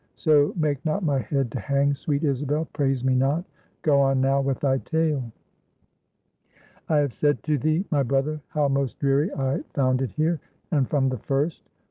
So make not my head to hang, sweet Isabel. Praise me not. Go on now with thy tale." "I have said to thee, my brother, how most dreary I found it here, and from the first.